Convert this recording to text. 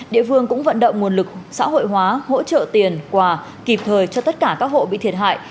địa phương cũng vận động nguồn lực xã hội hóa hỗ trợ tiền quà kịp thời cho tất cả các hộ bị thiệt hại